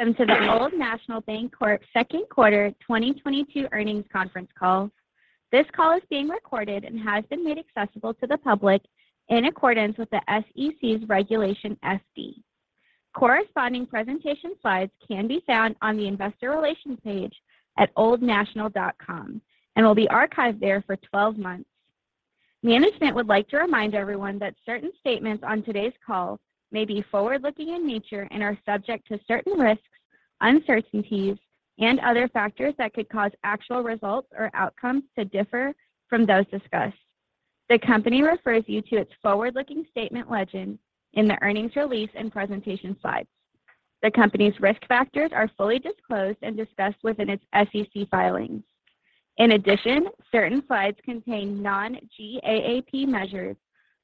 Welcome to the Old National Bancorp second quarter 2022 earnings conference call. This call is being recorded and has been made accessible to the public in accordance with the SEC's Regulation FD. Corresponding presentation slides can be found on the investor relations page at oldnational.com and will be archived there for 12 months. Management would like to remind everyone that certain statements on today's call may be forward-looking in nature and are subject to certain risks, uncertainties, and other factors that could cause actual results or outcomes to differ from those discussed. The company refers you to its forward-looking statement legend in the earnings release and presentation slides. The company's risk factors are fully disclosed and discussed within its SEC filings. In addition, certain slides contain non-GAAP measures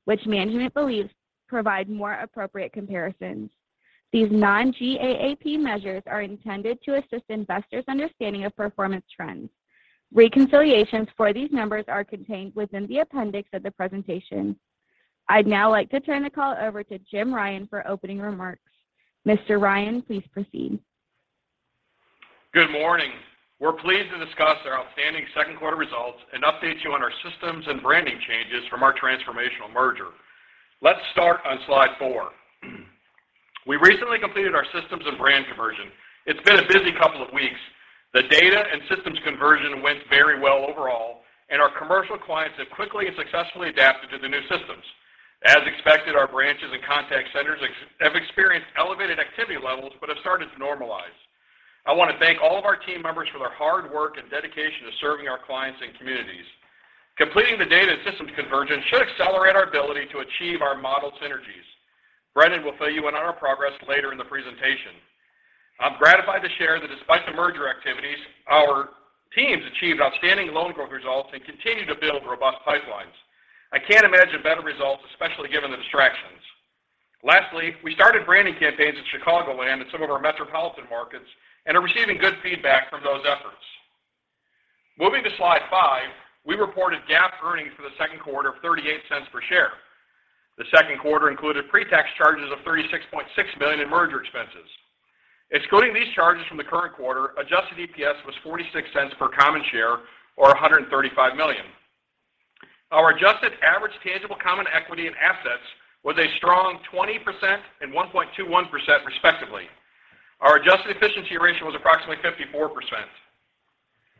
which management believes provide more appropriate comparisons. These non-GAAP measures are intended to assist investors' understanding of performance trends. Reconciliations for these numbers are contained within the appendix of the presentation. I'd now like to turn the call over to Jim Ryan for opening remarks. Mr. Ryan, please proceed. Good morning. We're pleased to discuss our outstanding second quarter results and update you on our systems and branding changes from our transformational merger. Let's start on slide four. We recently completed our systems and brand conversion. It's been a busy couple of weeks. The data and systems conversion went very well overall, and our commercial clients have quickly and successfully adapted to the new systems. As expected, our branches and contact centers have experienced elevated activity levels but have started to normalize. I want to thank all of our team members for their hard work and dedication to serving our clients and communities. Completing the data and systems conversion should accelerate our ability to achieve our model synergies. Brendon will fill you in on our progress later in the presentation. I'm gratified to share that despite the merger activities, our teams achieved outstanding loan growth results and continue to build robust pipelines. I can't imagine better results, especially given the distractions. Lastly, we started branding campaigns in Chicagoland and some of our metropolitan markets and are receiving good feedback from those efforts. Moving to slide five, we reported GAAP earnings for the second quarter of $0.38 per share. The second quarter included pre-tax charges of $36.6 million in merger expenses. Excluding these charges from the current quarter, adjusted EPS was $0.46 per common share or $135 million. Our adjusted average tangible common equity and assets was a strong 20% and 1.21%, respectively. Our adjusted efficiency ratio was approximately 54%.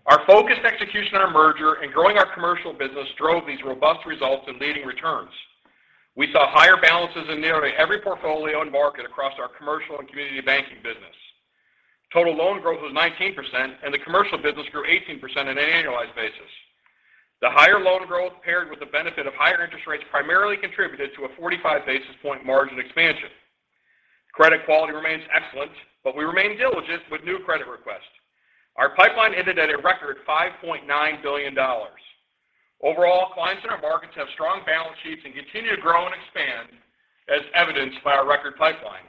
Our focused execution on our merger and growing our commercial business drove these robust results and leading returns. We saw higher balances in nearly every portfolio and market across our commercial and community banking business. Total loan growth was 19%, and the commercial business grew 18% on an annualized basis. The higher loan growth paired with the benefit of higher interest rates primarily contributed to a 45 basis point margin expansion. Credit quality remains excellent, but we remain diligent with new credit requests. Our pipeline ended at a record $5.9 billion. Overall, clients in our markets have strong balance sheets and continue to grow and expand, as evidenced by our record pipeline.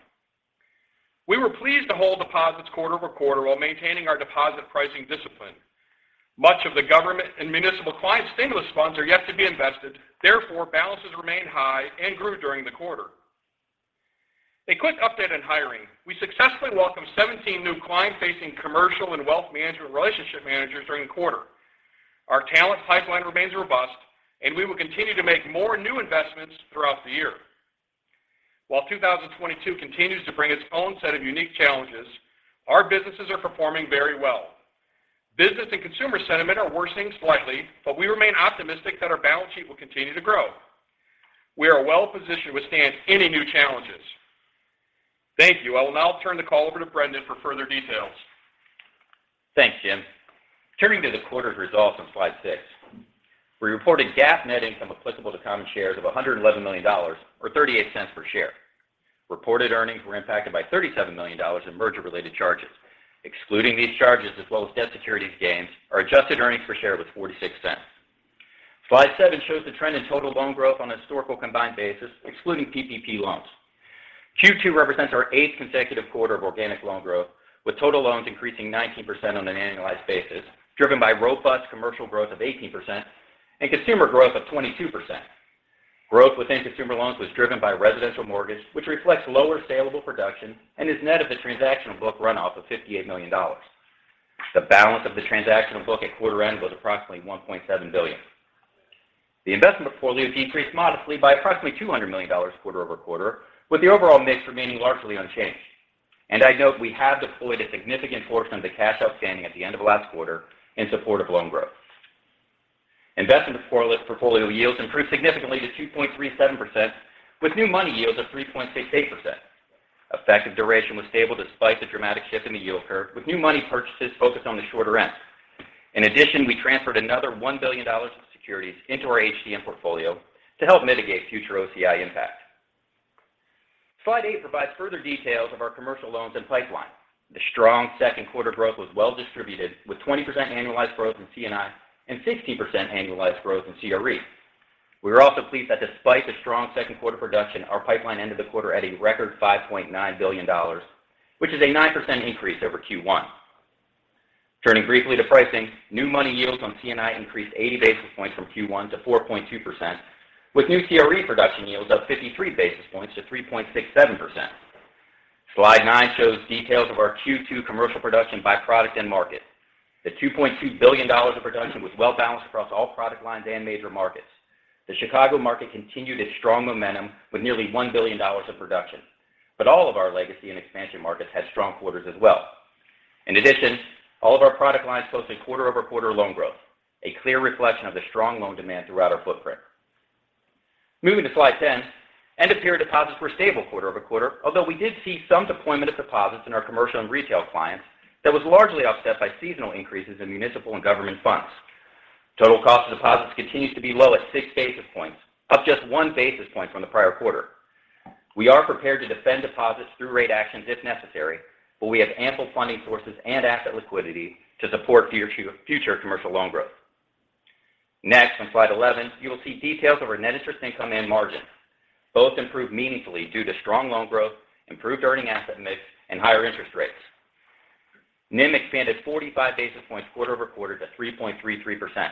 We were pleased to hold deposits quarter-over-quarter while maintaining our deposit pricing discipline. Much of the government and municipal client stimulus funds are yet to be invested, therefore balances remained high and grew during the quarter. A quick update on hiring. We successfully welcomed 17 new client-facing commercial and wealth management relationship managers during the quarter. Our talent pipeline remains robust, and we will continue to make more new investments throughout the year. While 2022 continues to bring its own set of unique challenges, our businesses are performing very well. Business and consumer sentiment are worsening slightly, but we remain optimistic that our balance sheet will continue to grow. We are well positioned to withstand any new challenges. Thank you. I will now turn the call over to Brendon for further details. Thanks, Jim. Turning to the quarter's results on slide six. We reported GAAP net income applicable to common shares of $111 million or $0.38 per share. Reported earnings were impacted by $37 million in merger-related charges. Excluding these charges, as well as debt securities gains, our adjusted earnings per share was $0.46. Slide seven shows the trend in total loan growth on a historical combined basis, excluding PPP loans. Q2 represents our eighth consecutive quarter of organic loan growth, with total loans increasing 19% on an annualized basis, driven by robust commercial growth of 18% and consumer growth of 22%. Growth within consumer loans was driven by residential mortgage, which reflects lower saleable production and is net of the transactional book runoff of $58 million. The balance of the transactional book at quarter end was approximately $1.7 billion. The investment portfolio decreased modestly by approximately $200 million quarter-over-quarter, with the overall mix remaining largely unchanged. I note we have deployed a significant portion of the cash outstanding at the end of last quarter in support of loan growth. Investment portfolio yields improved significantly to 2.37%, with new money yields of 3.68%. Effective duration was stable despite the dramatic shift in the yield curve, with new money purchases focused on the shorter end. In addition, we transferred another $1 billion of securities into our HTM portfolio to help mitigate future OCI impact. Slide eight provides further details of our commercial loans and pipeline. The strong second quarter growth was well distributed, with 20% annualized growth in C&I and 60% annualized growth in CRE. We are also pleased that despite the strong second quarter production, our pipeline ended the quarter at a record $5.9 billion, which is a 9% increase over Q1. Turning briefly to pricing, new money yields on C&I increased 80 basis points from Q1 to 4.2%, with new CRE production yields up 53 basis points to 3.67%. Slide nine shows details of our Q2 commercial production by product and market. The $2.2 billion of production was well-balanced across all product lines and major markets. The Chicago market continued its strong momentum with nearly $1 billion of production. All of our legacy and expansion markets had strong quarters as well. In addition, all of our product lines posted quarter-over-quarter loan growth, a clear reflection of the strong loan demand throughout our footprint. Moving to slide 10, end-of-period deposits were stable quarter-over-quarter, although we did see some deployment of deposits in our commercial and retail clients that was largely offset by seasonal increases in municipal and government funds. Total cost of deposits continues to be low at 6 basis points, up just 1 basis point from the prior quarter. We are prepared to defend deposits through rate actions if necessary, but we have ample funding sources and asset liquidity to support future commercial loan growth. Next, on slide 11, you will see details of our net interest income and margin. Both improved meaningfully due to strong loan growth, improved earning asset mix, and higher interest rates. NIM expanded 45 basis points quarter-over-quarter to 3.33%.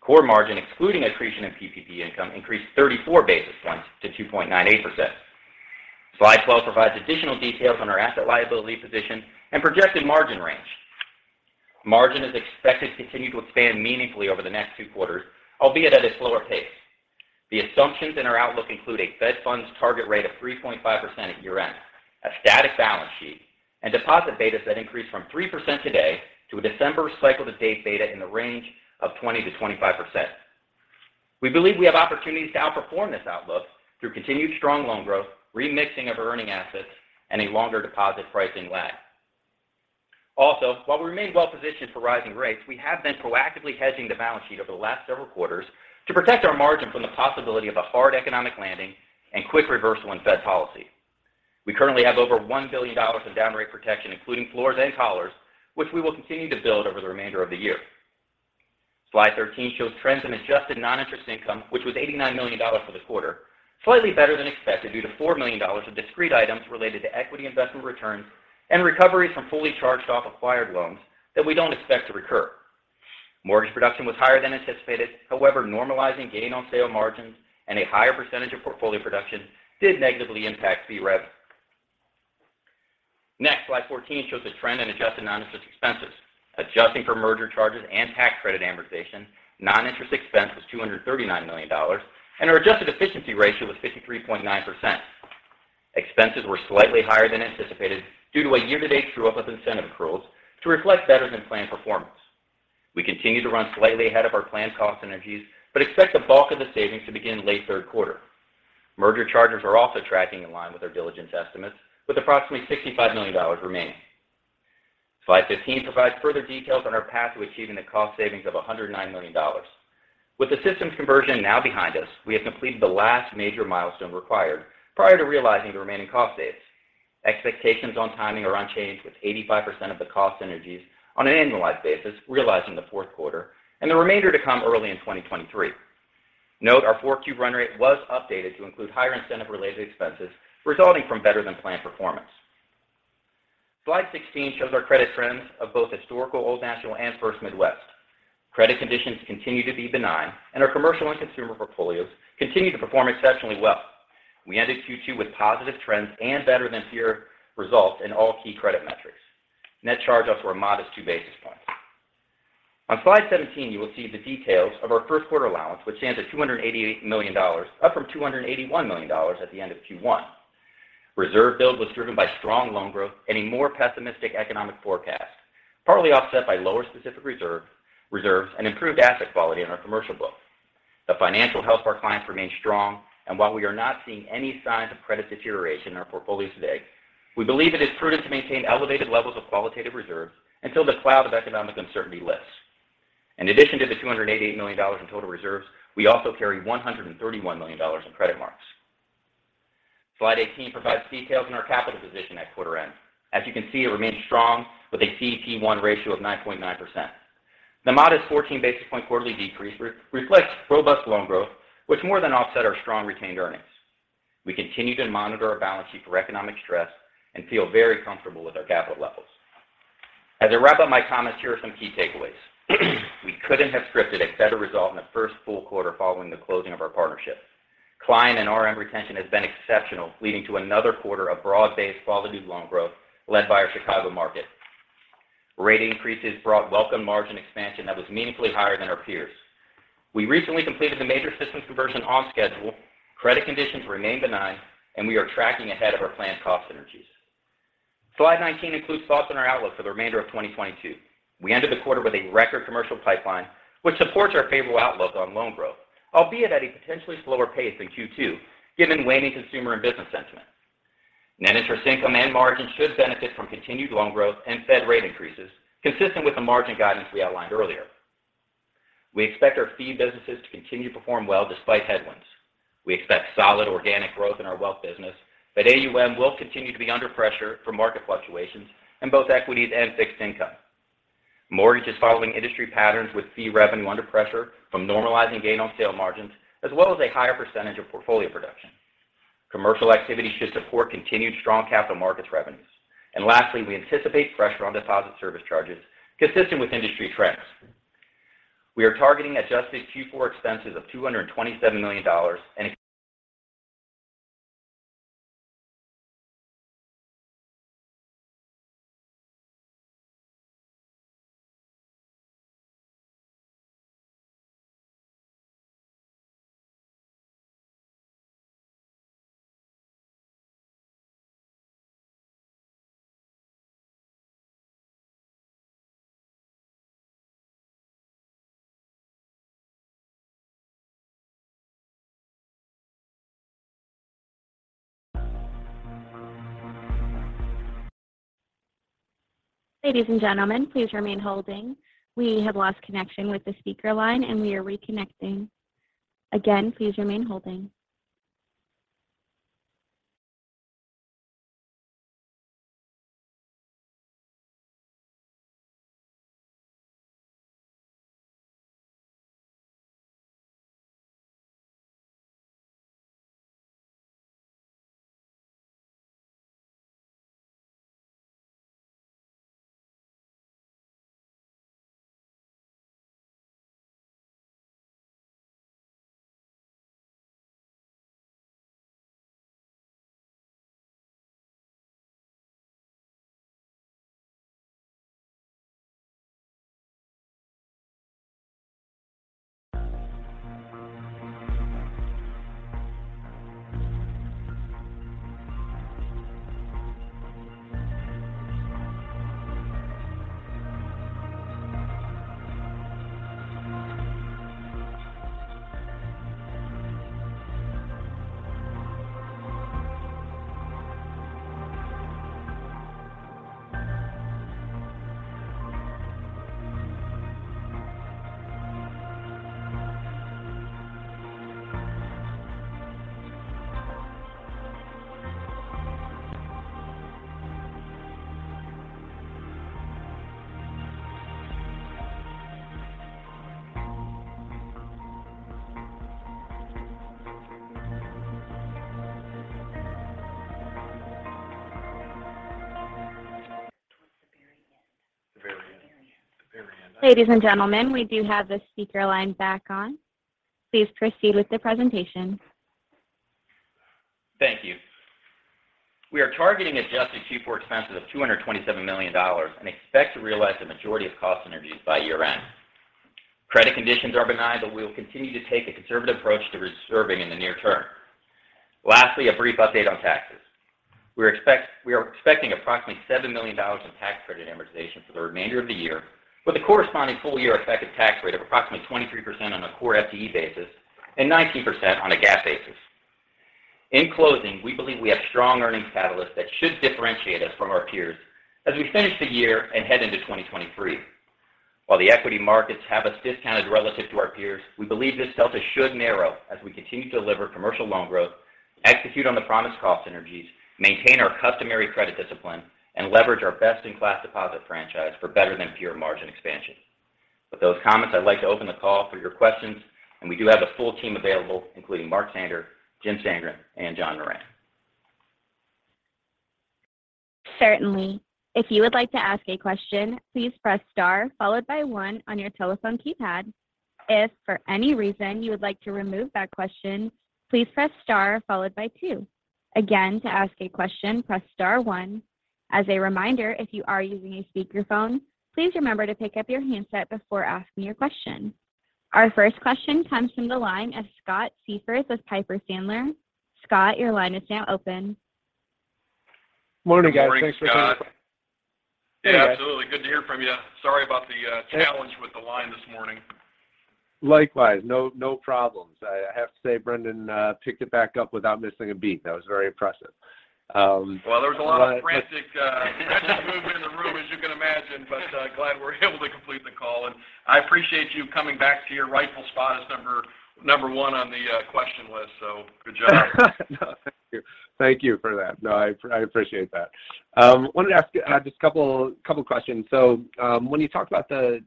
Core margin excluding accretion and PPP income increased 34 basis points to 2.98%. Slide 12 provides additional details on our asset liability position and projected margin range. Margin is expected to continue to expand meaningfully over the next two quarters, albeit at a slower pace. The assumptions in our outlook include a Fed funds target rate of 3.5% at year-end, a static balance sheet, and deposit betas that increase from 3% today to a December cycle-to-date beta in the range of 20%-25%. We believe we have opportunities to outperform this outlook through continued strong loan growth, remixing of our earning assets, and a longer deposit pricing lag. Also, while we remain well-positioned for rising rates, we have been proactively hedging the balance sheet over the last several quarters to protect our margin from the possibility of a hard economic landing and quick reversal in Fed policy. We currently have over $1 billion in down rate protection, including floors and collars, which we will continue to build over the remainder of the year. Slide 13 shows trends in adjusted non-interest income, which was $89 million for the quarter, slightly better than expected due to $4 million of discrete items related to equity investment returns and recoveries from fully charged off acquired loans that we don't expect to recur. Mortgage production was higher than anticipated. However, normalizing gain on sale margins and a higher percentage of portfolio production did negatively impact fee rev. Next, slide 14 shows a trend in adjusted non-interest expenses. Adjusting for merger charges and tax credit amortization, non-interest expense was $239 million, and our adjusted efficiency ratio was 63.9%. Expenses were slightly higher than anticipated due to a year-to-date true-up of incentive accruals to reflect better-than-planned performance. We continue to run slightly ahead of our planned cost synergies but expect the bulk of the savings to begin late third quarter. Merger charges are also tracking in line with our diligence estimates, with approximately $65 million remaining. Slide 15 provides further details on our path to achieving the cost savings of $109 million. With the systems conversion now behind us, we have completed the last major milestone required prior to realizing the remaining cost saves. Expectations on timing are unchanged, with 85% of the cost synergies on an annualized basis realized in the fourth quarter and the remainder to come early in 2023. Note our 4Q run rate was updated to include higher incentive-related expenses resulting from better than planned performance. Slide 16 shows our credit trends of both historical Old National and First Midwest. Credit conditions continue to be benign and our commercial and consumer portfolios continue to perform exceptionally well. We ended Q2 with positive trends and better than peer results in all key credit metrics. Net charge-offs were a modest 2 basis points. On Slide 17, you will see the details of our first quarter allowance, which stands at $288 million, up from $281 million at the end of Q1. Reserve build was driven by strong loan growth and a more pessimistic economic forecast, partly offset by lower specific reserve, reserves and improved asset quality in our commercial book. The financial health of our clients remains strong, and while we are not seeing any signs of credit deterioration in our portfolios today, we believe it is prudent to maintain elevated levels of qualitative reserves until the cloud of economic uncertainty lifts. In addition to the $288 million in total reserves, we also carry $131 million in credit marks. Slide 18 provides details on our capital position at quarter end. As you can see, it remains strong with a CET1 ratio of 9.9%. The modest 14 basis points quarterly decrease reflects robust loan growth, which more than offset our strong retained earnings. We continue to monitor our balance sheet for economic stress and feel very comfortable with our capital levels. As I wrap up my comments, here are some key takeaways. We couldn't have scripted a better result in the first full quarter following the closing of our partnership. Client and RM retention has been exceptional, leading to another quarter of broad-based quality loan growth led by our Chicago market. Rate increases brought welcome margin expansion that was meaningfully higher than our peers. We recently completed the major systems conversion on schedule. Credit conditions remain benign, and we are tracking ahead of our planned cost synergies. Slide 19 includes thoughts on our outlook for the remainder of 2022. We ended the quarter with a record commercial pipeline, which supports our favorable outlook on loan growth, albeit at a potentially slower pace than Q2, given waning consumer and business sentiment. Net interest income and margins should benefit from continued loan growth and Fed rate increases, consistent with the margin guidance we outlined earlier. We expect our fee businesses to continue to perform well despite headwinds. We expect solid organic growth in our wealth business, but AUM will continue to be under pressure from market fluctuations in both equities and fixed income. Mortgage is following industry patterns with fee revenue under pressure from normalizing gain on sale margins, as well as a higher percentage of portfolio production. Commercial activity should support continued strong capital markets revenues. Lastly, we anticipate pressure on deposit service charges consistent with industry trends. We are targeting adjusted Q4 expenses of $227 million. Ladies and gentlemen, please remain holding. We have lost connection with the speaker line and we are reconnecting. Again, please remain holding. Ladies and gentlemen, we do have the speaker line back on. Please proceed with the presentation. Thank you. We are targeting adjusted Q4 expenses of $227 million, and expect to realize the majority of cost synergies by year-end. Credit conditions are benign, but we will continue to take a conservative approach to reserving in the near term. Lastly, a brief update on taxes. We are expecting approximately $7 million in tax credit amortization for the remainder of the year, with a corresponding full year effective tax rate of approximately 23% on a core FTE basis and 19% on a GAAP basis. In closing, we believe we have strong earnings catalysts that should differentiate us from our peers as we finish the year and head into 2023. While the equity markets have us discounted relative to our peers, we believe this delta should narrow as we continue to deliver commercial loan growth, execute on the promised cost synergies, maintain our customary credit discipline, and leverage our best-in-class deposit franchise for better than peer margin expansion. With those comments, I'd like to open the call for your questions, and we do have a full team available, including Mark Sander, Jim Sandgren, and John Moran. Certainly. If you would like to ask a question, please press star followed by one on your telephone keypad. If for any reason you would like to remove that question, please press star followed by two. Again, to ask a question, press star one. As a reminder, if you are using a speakerphone, please remember to pick up your handset before asking your question. Our first question comes from the line of Scott Siefers with Piper Sandler. Scott, your line is now open. Morning, guys. Thanks for taking- Good morning, Scott. Hey, guys. Yeah, absolutely. Good to hear from you. Sorry about the challenge with the line this morning. Likewise. No, no problems. I have to say Brendon picked it back up without missing a beat. That was very impressive, but- Well, there was a lot of frantic movement in the room as you can imagine, but glad we're able to complete the call. I appreciate you coming back to your rightful spot as number one on the question list. Good job. No, thank you. Thank you for that. No, I appreciate that. Wanted to ask just a couple questions. When you talk about the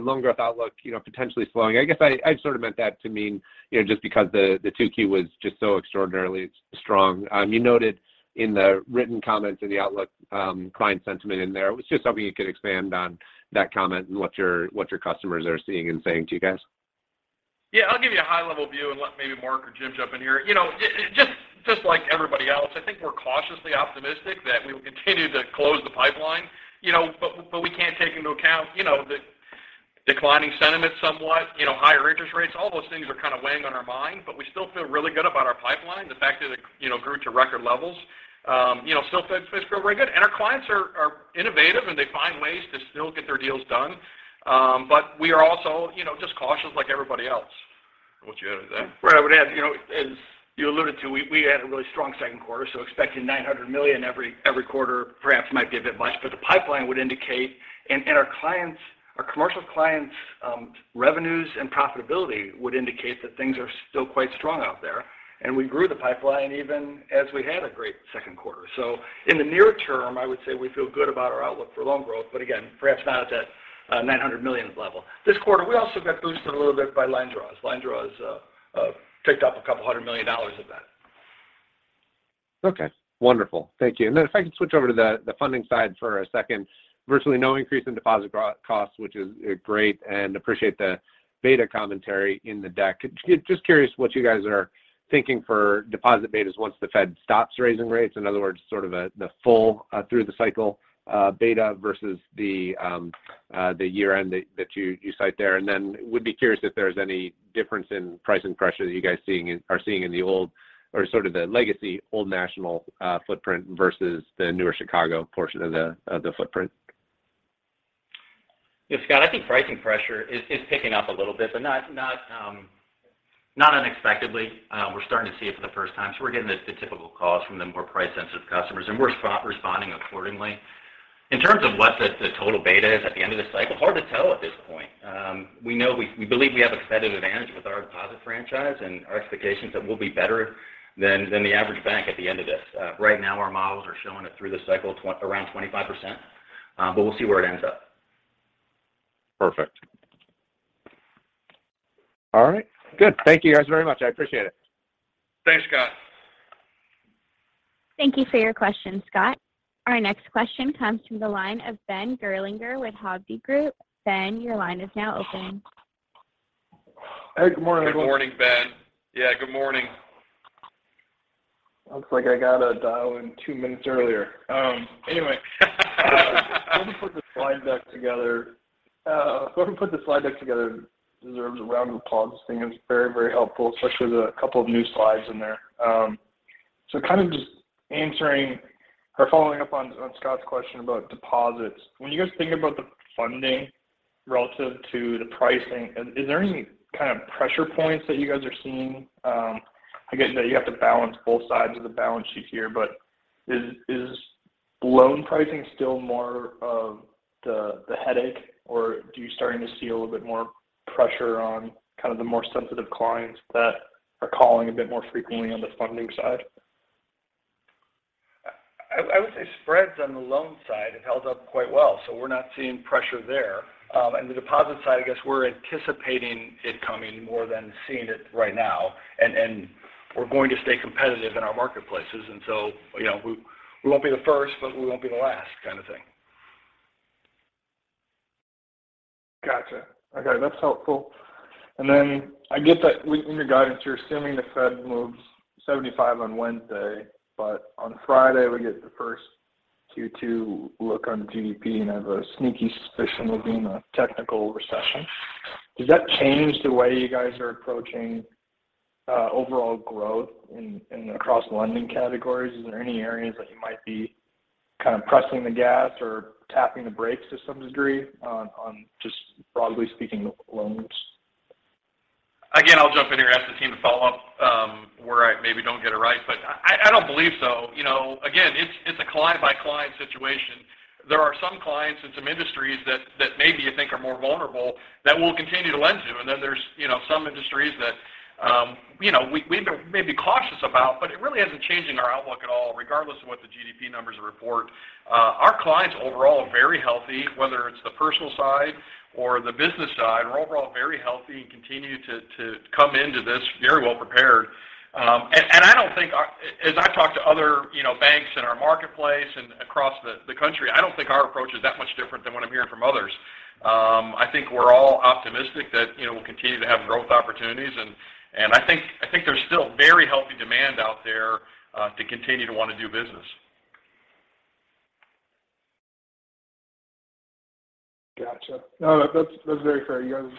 loan growth outlook, you know, potentially slowing. I guess I sort of meant that to mean, you know, just because the 2Q was just so extraordinarily strong. You noted in the written comments in the outlook, client sentiment in there. Was just something you could expand on that comment and what your customers are seeing and saying to you guys? Yeah, I'll give you a high level view and let maybe Mark or Jim jump in here. You know, just like everybody else, I think we're cautiously optimistic that we will continue to close the pipeline, you know. We can't take into account, you know, the declining sentiment somewhat, you know, higher interest rates. All those things are kind of weighing on our mind, but we still feel really good about our pipeline. The fact that it, you know, grew to record levels, you know, still feels very good. Our clients are innovative, and they find ways to still get their deals done. We are also, you know, just cautious like everybody else. I want you to add to that. Right. I would add, you know, as you alluded to, we had a really strong second quarter, so expecting $900 million every quarter perhaps might be a bit much. The pipeline would indicate, and our clients, our commercial clients' revenues and profitability would indicate that things are still quite strong out there. We grew the pipeline even as we had a great second quarter. In the near term, I would say we feel good about our outlook for loan growth, but again, perhaps not at that $900 million level. This quarter, we also got boosted a little bit by Landras. Landras picked up $200 million of that. Okay. Wonderful. Thank you. If I could switch over to the funding side for a second. Virtually no increase in deposit costs, which is great and appreciate the beta commentary in the deck. Just curious what you guys are thinking for deposit betas once the Fed stops raising rates. In other words, sort of at the full through the cycle beta versus the year-end that you cite there. Would be curious if there's any difference in pricing pressure that you guys are seeing in the old or sort of the legacy Old National footprint versus the newer Chicago portion of the footprint. Yeah, Scott, I think pricing pressure is picking up a little bit, but not unexpectedly. We're starting to see it for the first time, so we're getting the typical calls from the more price-sensitive customers, and we're responding accordingly. In terms of what the total beta is at the end of this cycle, hard to tell at this point. We know we believe we have a competitive advantage with our deposit franchise and our expectations that we'll be better than the average bank at the end of this. Right now, our models are showing it through the cycle around 25%, but we'll see where it ends up. Perfect. All right. Good. Thank you guys very much. I appreciate it. Thanks, Scott. Thank you for your question, Scott. Our next question comes from the line of Ben Gerlinger with Hovde Group. Ben, your line is now open. Hey, good morning, everyone. Good morning, Ben. Yeah, good morning. Looks like I gotta dial in two minutes earlier. Anyway. Whoever put the slide deck together deserves a round of applause. I think it was very, very helpful, especially the couple of new slides in there. So kind of just answering or following up on Scott's question about deposits. When you guys are thinking about the funding relative to the pricing, is there any kind of pressure points that you guys are seeing? I get that you have to balance both sides of the balance sheet here, but is loan pricing still more of the headache, or are you starting to see a little bit more pressure on kind of the more sensitive clients that are calling a bit more frequently on the funding side? I would say spreads on the loan side have held up quite well, so we're not seeing pressure there. The deposit side, I guess we're anticipating it coming more than seeing it right now. We're going to stay competitive in our marketplaces. You know, we won't be the first, but we won't be the last kind of thing. Gotcha. Okay. That's helpful. I get that in your guidance, you're assuming the Fed moves 75 on Wednesday, but on Friday, we get the first Q2 look on GDP, and I have a sneaky suspicion we'll be in a technical recession. Does that change the way you guys are approaching overall growth in across lending categories? Is there any areas that you might be kind of pressing the gas or tapping the brakes to some degree on just broadly speaking, loans? I'll jump in here, ask the team to follow up where I maybe don't get it right. I don't believe so. You know, again, it's a client by client situation. There are some clients in some industries that maybe you think are more vulnerable that we'll continue to lend to. There's, you know, some industries that, you know, we may be cautious about, but it really isn't changing our outlook at all, regardless of what the GDP numbers report. Our clients overall are very healthy, whether it's the personal side or the business side. We're overall very healthy and continue to come into this very well prepared. As I've talked to other, you know, banks in our marketplace and across the country, I don't think our approach is that much different than what I'm hearing from others. I think we're all optimistic that, you know, we'll continue to have growth opportunities and I think there's still very healthy demand out there to continue to want to do business. Gotcha. No, that's very fair. You guys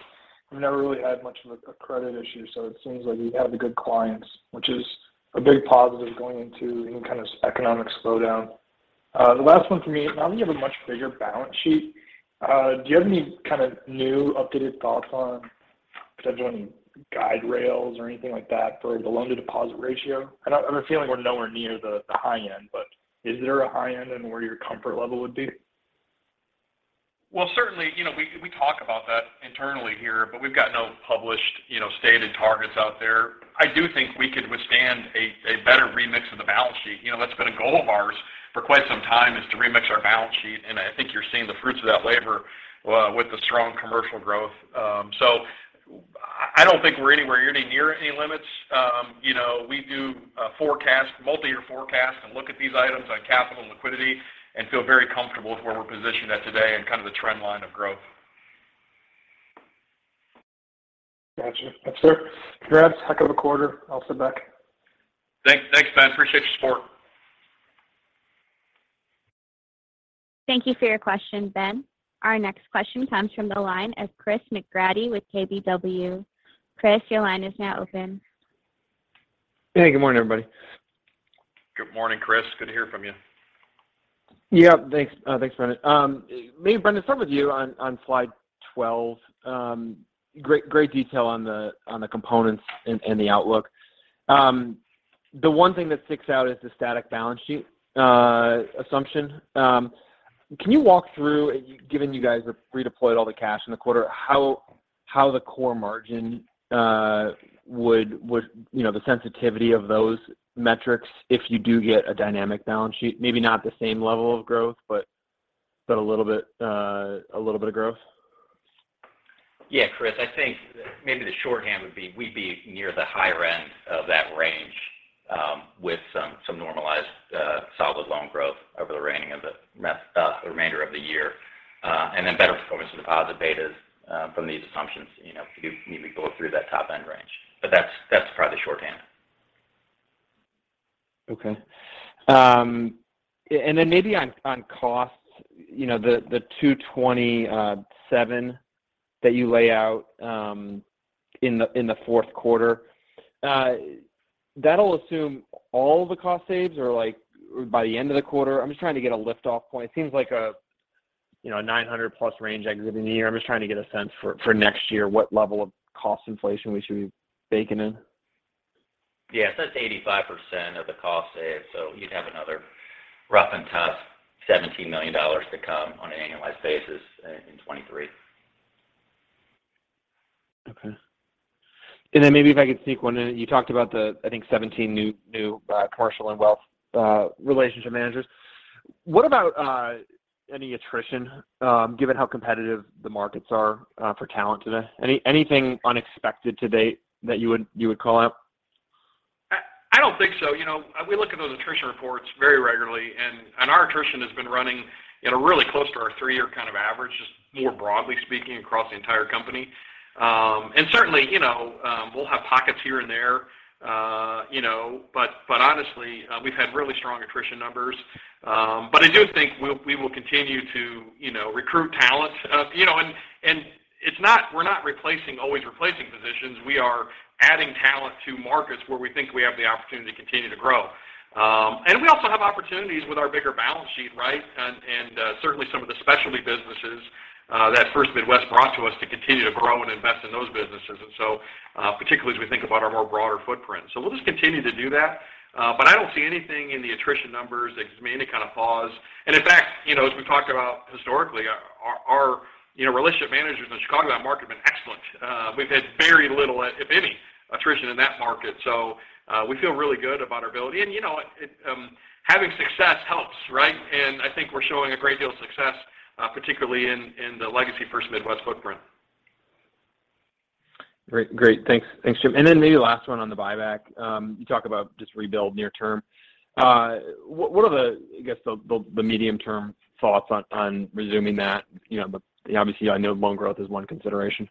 have never really had much of a credit issue, so it seems like you have the good clients, which is a big positive going into any kind of economic slowdown. The last one for me. Now that you have a much bigger balance sheet, do you have any kind of new updated thoughts on potentially any guide rails or anything like that for the loan-to-deposit ratio? I have a feeling we're nowhere near the high end, but is there a high end in where your comfort level would be? Well, certainly, you know, we talk about that internally here, but we've got no published, you know, stated targets out there. I do think we could withstand a better remix of the balance sheet. You know, that's been a goal of ours for quite some time is to remix our balance sheet, and I think you're seeing the fruits of that labor with the strong commercial growth. I don't think we're anywhere even near any limits. You know, we do multi-year forecast and look at these items on capital and liquidity and feel very comfortable with where we're positioned at today and kind of the trend line of growth. Gotcha. That's fair. Congrats. Heck of a quarter. I'll sit back. Thanks. Thanks, Ben. Appreciate your support. Thank you for your question, Ben. Our next question comes from the line of Chris McGratty with KBW. Chris, your line is now open. Hey, good morning, everybody. Good morning, Chris. Good to hear from you. Yeah. Thanks, Brendon. Maybe Brendon, start with you on slide 12. Great detail on the components and the outlook. The one thing that sticks out is the static balance sheet assumption. Can you walk through, given you guys have redeployed all the cash in the quarter, how the core margin would you know the sensitivity of those metrics if you do get a dynamic balance sheet, maybe not the same level of growth, but a little bit of growth? Yeah, Chris, I think maybe the shorthand would be we'd be near the higher end of that range, with some normalized solid loan growth over the remainder of the year, and then better performance of deposit betas from these assumptions, you know, if you need me to go through that top-end range. But that's probably the shorthand. Okay. Maybe on costs, you know, the $227 that you lay out in the fourth quarter. That'll assume all the cost saves are, like, by the end of the quarter. I'm just trying to get a lift-off point. It seems like, you know, a $900+ range exit in the year. I'm just trying to get a sense for next year what level of cost inflation we should be baking in. Yes, that's 85% of the cost saved. You'd have another rough and tough $17 million to come on an annualized basis in 2023. Okay. Maybe if I could sneak one in. You talked about the, I think, 17 new commercial and wealth relationship managers. What about any attrition given how competitive the markets are for talent today? Anything unexpected to date that you would call out? I don't think so. You know, we look at those attrition reports very regularly and our attrition has been running really close to our three-year kind of average, just more broadly speaking across the entire company. Certainly, you know, we'll have pockets here and there, you know. Honestly, we've had really strong attrition numbers. I do think we will continue to, you know, recruit talent. You know, and it's not always replacing positions. We are adding talent to markets where we think we have the opportunity to continue to grow. We also have opportunities with our bigger balance sheet, right? Certainly some of the specialty businesses that First Midwest brought to us to continue to grow and invest in those businesses. Particularly as we think about our more broader footprint. We'll just continue to do that. I don't see anything in the attrition numbers that gave me any kind of pause. In fact, you know, as we talked about historically, our you know, relationship managers in the Chicago market have been excellent. We've had very little, if any, attrition in that market. We feel really good about our ability. You know, it having success helps, right? I think we're showing a great deal of success, particularly in the legacy First Midwest footprint. Great. Thanks, Jim. Then maybe last one on the buyback. You talk about just rebuild near term. What are the, I guess, medium-term thoughts on resuming that? You know, obviously, I know loan growth is one consideration.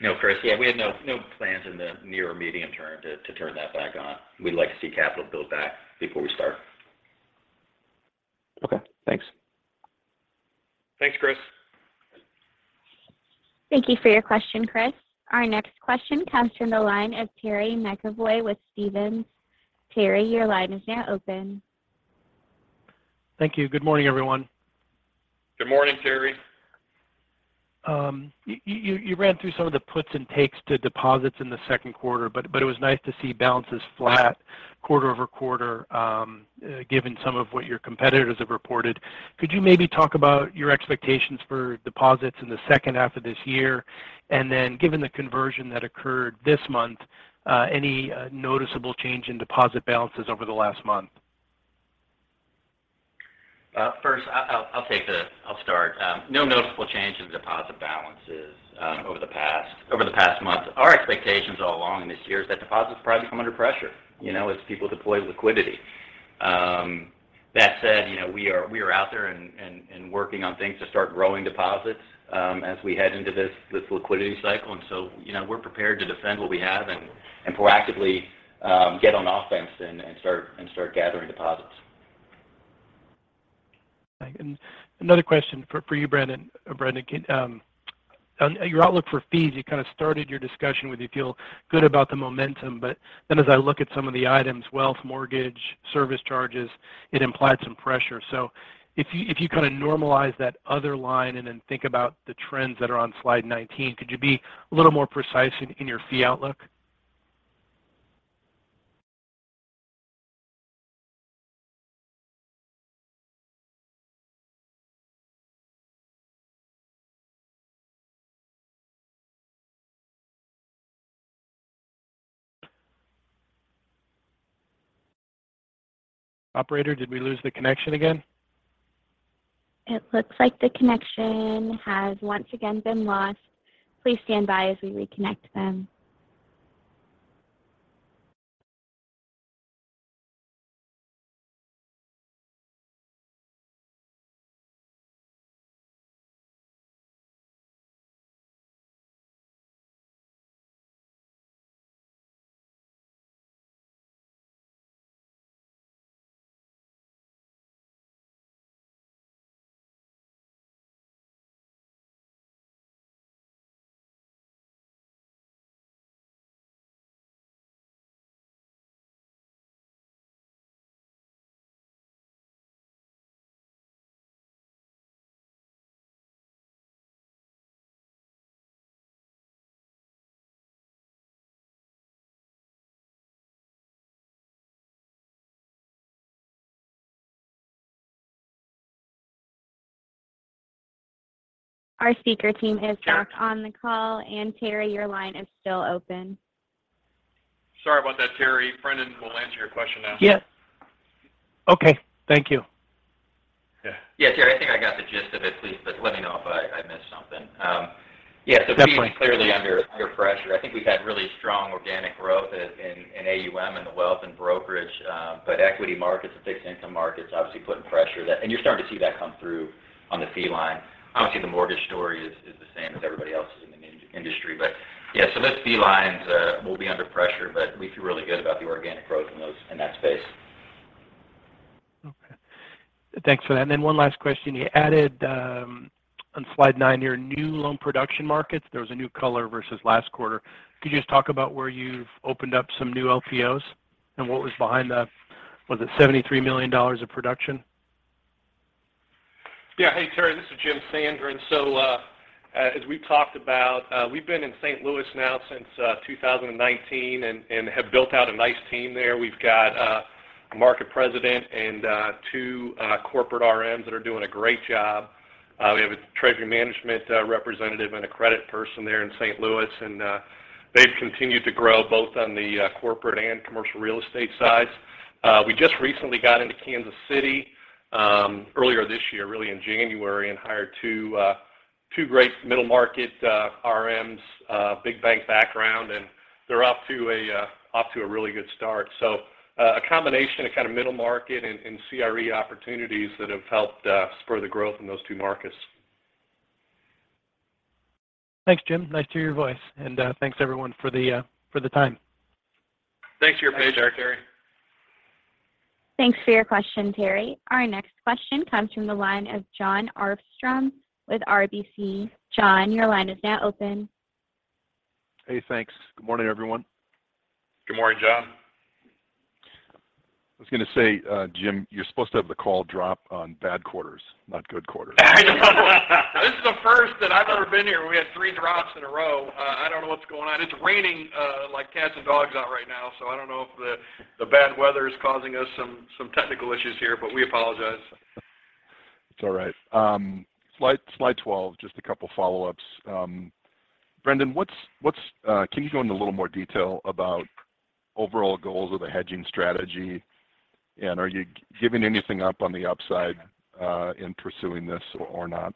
No, Chris. Yeah, we have no plans in the near or medium term to turn that back on. We'd like to see capital build back before we start. Okay. Thanks. Thanks, Chris. Thank you for your question, Chris. Our next question comes from the line of Terry McEvoy with Stephens. Terry, your line is now open. Thank you. Good morning, everyone. Good morning, Terry. You ran through some of the puts and takes to deposits in the second quarter, but it was nice to see balances flat quarter-over-quarter, given some of what your competitors have reported. Could you maybe talk about your expectations for deposits in the H2 of this year? Given the conversion that occurred this month, any noticeable change in deposit balances over the last month? I'll start. No noticeable change in deposit balances over the past month. Our expectations all along this year is that deposits probably come under pressure, you know, as people deploy liquidity. That said, you know, we are out there and working on things to start growing deposits as we head into this liquidity cycle. You know, we're prepared to defend what we have and proactively get on offense and start gathering deposits. Another question for you, Brendon. On your outlook for fees, you kind of started your discussion where you feel good about the momentum, but then as I look at some of the items, wealth, mortgage, service charges, it implied some pressure. If you kind of normalize that other line and then think about the trends that are on slide 19, could you be a little more precise in your fee outlook? Operator, did we lose the connection again? It looks like the connection has once again been lost. Please stand by as we reconnect them. Our speaker team is back on the call. Terry, your line is still open. Sorry about that, Terry. Brendon will answer your question now. Yeah. Okay. Thank you. Yeah. Yeah, Terry, I think I got the gist of it, please, but let me know if I missed something. Definitely Fee is clearly under pressure. I think we've had really strong organic growth in AUM and the wealth and brokerage, but equity markets and fixed income markets obviously putting pressure. That and you're starting to see that come through on the fee line. Obviously, the mortgage story is the same as everybody else's in the industry. Yeah, those fee lines will be under pressure, but we feel really good about the organic growth in that space. Okay. Thanks for that. Then one last question. You added on slide nine your new loan production markets. There was a new color versus last quarter. Could you just talk about where you've opened up some new LPOs and what was behind that? Was it $73 million of production? Yeah. Hey, Terry, this is Jim Sandgren. As we've talked about, we've been in St. Louis now since 2019 and have built out a nice team there. We've got a market president and two corporate RMs that are doing a great job. We have a treasury management representative and a credit person there in St. Louis, and they've continued to grow both on the corporate and commercial real estate side. We just recently got into Kansas City earlier this year, really in January, and hired two great middle market RMs, big bank background, and they're off to a really good start. A combination of kind of middle market and CRE opportunities that have helped spur the growth in those two markets. Thanks, Jim. Nice to hear your voice. Thanks everyone for the time. Thanks for your patience, Terry. Thanks for your question, Terry. Our next question comes from the line of Jon Arfstrom with RBC. Jon, your line is now open. Hey, thanks. Good morning, everyone. Good morning, Jon. I was gonna say, Jim, you're supposed to have the call drop on bad quarters, not good quarters. This is the first time that I've ever been here when we had three drops in a row. I don't know what's going on. It's raining like cats and dogs out right now, so I don't know if the bad weather is causing us some technical issues here, but we apologize. It's all right. Slide twelve, just a couple follow-ups. Brendon, can you go into a little more detail about overall goals of the hedging strategy? Are you giving anything up on the upside in pursuing this or not?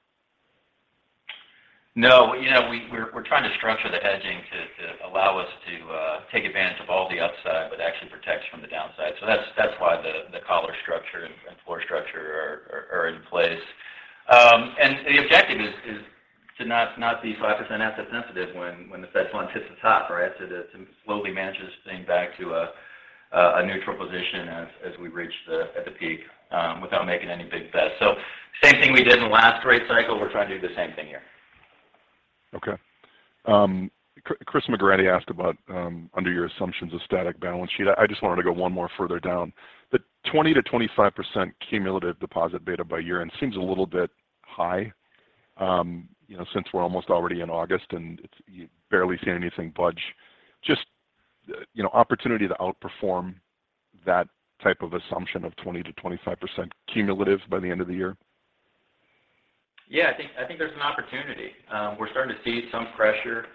No. You know, we're trying to structure the hedging to allow us to take advantage of all the upside, but actually protect from the downside. That's why the collar structure and floor structure are in place. The objective is to not be 5% asset sensitive when the fed funds hits the top, right? To slowly manage this thing back to a neutral position as we reach the peak without making any big bets. Same thing we did in the last rate cycle, we're trying to do the same thing here. Okay. Chris McGratty asked about, under your assumptions of static balance sheet. I just wanted to go one more further down. The 20%-25% cumulative deposit beta by year-end seems a little bit high, you know, since we're almost already in August, and you've barely seen anything budge. Just, you know, opportunity to outperform that type of assumption of 20%-25% cumulative by the end of the year. Yeah, I think there's an opportunity. We're starting to see some pressure.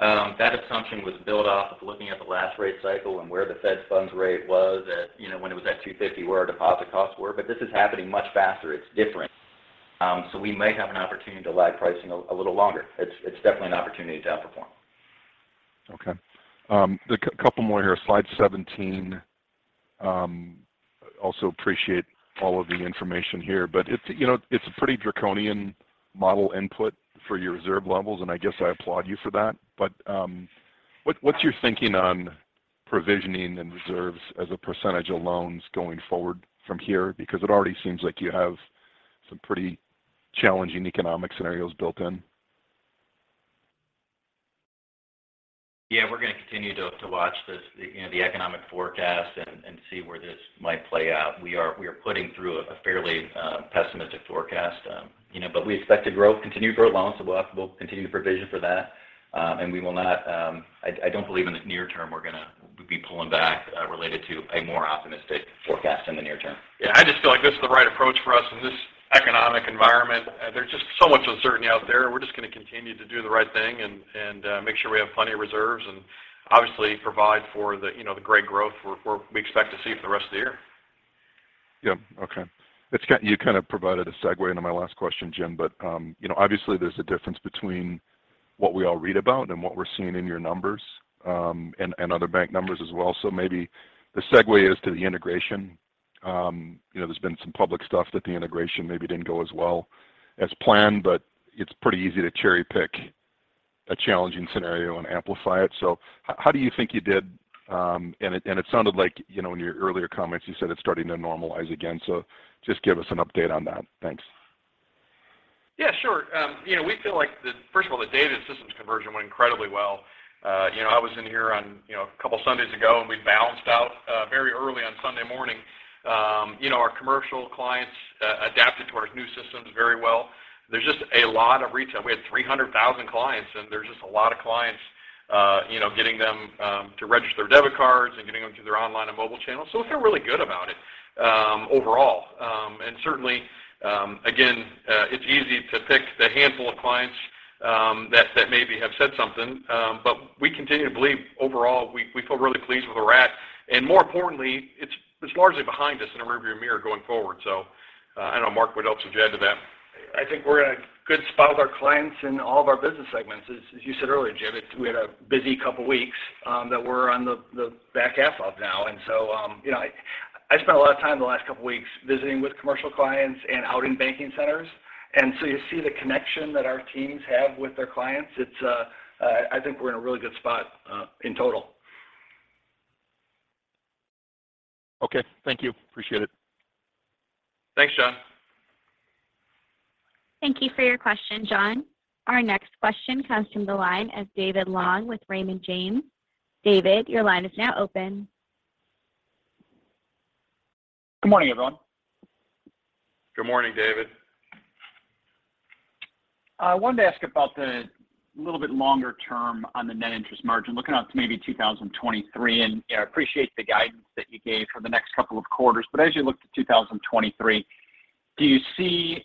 That assumption was built off of looking at the last rate cycle and where the Fed's funds rate was at, you know, when it was at 2.50%, where our deposit costs were. This is happening much faster. It's different. We may have an opportunity to lag pricing a little longer. It's definitely an opportunity to outperform. Okay. A couple more here. Slide 17. Also appreciate all of the information here, but you know, it's a pretty draconian model input for your reserve levels, and I guess I applaud you for that. What's your thinking on provisioning and reserves as a percentage of loans going forward from here? Because it already seems like you have some pretty challenging economic scenarios built in. Yeah, we're going to continue to watch this, you know, the economic forecast and see where this might play out. We are putting through a fairly pessimistic forecast. You know, but we expect to grow, continue to grow loans, so we'll continue to provision for that. We will not. I don't believe in the near term we're gonna be pulling back related to a more optimistic forecast in the near term. Yeah. I just feel like this is the right approach for us in this economic environment. There's just so much uncertainty out there. We're just going to continue to do the right thing and make sure we have plenty of reserves and obviously provide for the, you know, the great growth we expect to see for the rest of the year. Yeah. Okay. You kind of provided a segue into my last question, Jim, but you know, obviously there's a difference between what we all read about and what we're seeing in your numbers, and other bank numbers as well. Maybe the segue is to the integration. You know, there's been some public stuff that the integration maybe didn't go as well as planned, but it's pretty easy to cherry-pick a challenging scenario and amplify it. How do you think you did? And it sounded like, you know, in your earlier comments, you said it's starting to normalize again. Just give us an update on that. Thanks. Yeah, sure. You know, we feel like first of all, the data systems conversion went incredibly well. You know, I was in here on you know, a couple of Sundays ago, and we bounced out very early on Sunday morning. You know, our commercial clients adapted to our new systems very well. There's just a lot of retail. We had 300,000 clients, and there's just a lot of clients, you know, getting them to register debit cards through their online and mobile channels. We feel really good about it overall. Certainly, again, it's easy to pick the handful of clients that maybe have said something. We continue to believe overall we feel really pleased with where we're at. More importantly, it's largely behind us in the rear view mirror going forward. I don't know, Mark, what else would you add to that? I think we're in a good spot with our clients in all of our business segments. As you said earlier, Jim, it's we had a busy couple weeks that we're on the back half of now. You know, I spent a lot of time the last couple weeks visiting with commercial clients and out in banking centers. You see the connection that our teams have with their clients. It's I think we're in a really good spot in total. Okay. Thank you. Appreciate it. Thanks, Jon. Thank you for your question, John. Our next question comes from the line of David Long with Raymond James. David, your line is now open. Good morning, everyone. Good morning, David. I wanted to ask about the little bit longer term on the net interest margin, looking out to maybe 2023. You know, I appreciate the guidance that you gave for the next couple of quarters, but as you look to 2023, do you see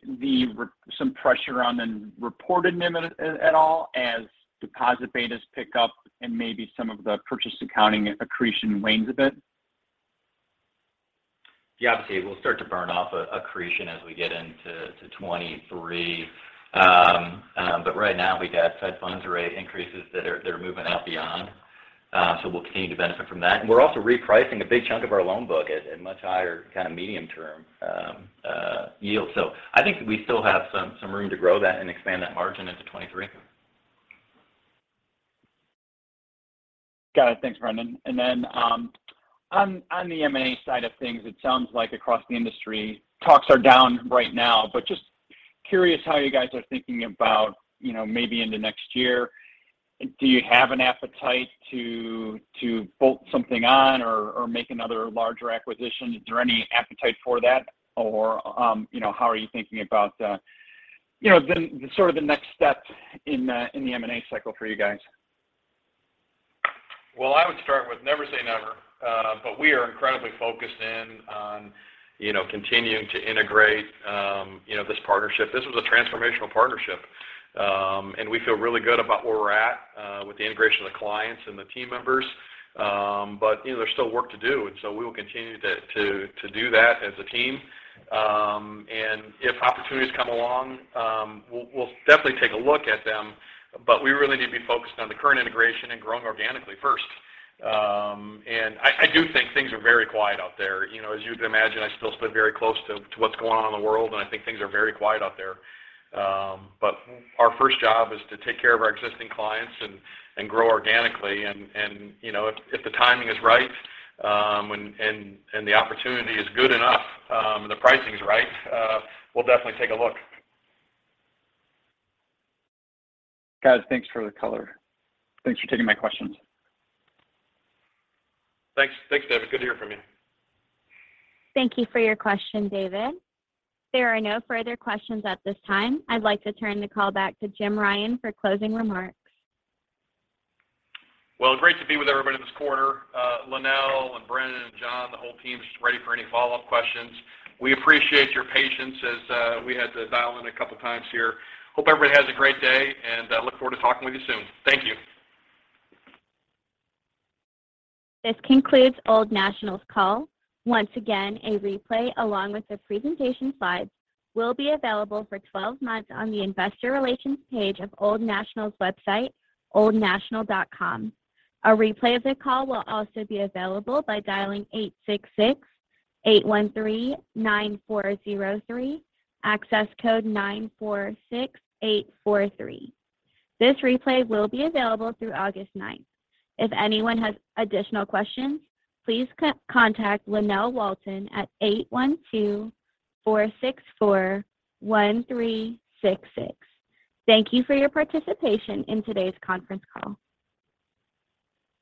some pressure on the reported NIM at all as deposit betas pick up and maybe some of the purchase accounting accretion wanes a bit? Yeah. Obviously, we'll start to burn off a accretion as we get into 2023. But right now we've got Fed funds rate increases that are moving out beyond. We'll continue to benefit from that. We're also repricing a big chunk of our loan book at much higher kind of medium term yield. I think we still have some room to grow that and expand that margin into 2023. Got it. Thanks, Brendon. Then, on the M&A side of things, it sounds like across the industry talks are down right now, but just curious how you guys are thinking about, you know, maybe into next year. Do you have an appetite to bolt something on or make another larger acquisition? Is there any appetite for that or, you know, how are you thinking about, you know, the sort of the next step in the M&A cycle for you guys? Well, I would start with never say never. We are incredibly focused in on, you know, continuing to integrate, you know, this partnership. This was a transformational partnership. We feel really good about where we're at, with the integration of the clients and the team members. You know, there's still work to do, and so we will continue to do that as a team. If opportunities come along, we'll definitely take a look at them, but we really need to be focused on the current integration and growing organically first. I do think things are very quiet out there. You know, as you'd imagine, I still sit very close to what's going on in the world, and I think things are very quiet out there. Our first job is to take care of our existing clients and grow organically. You know, if the timing is right, the opportunity is good enough, and the pricing is right, we'll definitely take a look. Got it. Thanks for the color. Thanks for taking my questions. Thanks. Thanks, David. Good to hear from you. Thank you for your question, David. There are no further questions at this time. I'd like to turn the call back to Jim Ryan for closing remarks. Well, great to be with everybody this quarter. Lynell and Brendon and John, the whole team is ready for any follow-up questions. We appreciate your patience as we had to dial in a couple times here. Hope everybody has a great day, and I look forward to talking with you soon. Thank you. This concludes Old National's call. Once again, a replay along with the presentation slides will be available for 12 months on the investor relations page of Old National's website, oldnational.com. A replay of the call will also be available by dialing 866-813-94303, access code 946843. This replay will be available through August ninth. If anyone has additional questions, please contact Lynell Walton at 812-464-1366. Thank you for your participation in today's conference call.